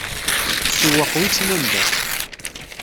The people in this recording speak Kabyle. Tssewweq wissen anda.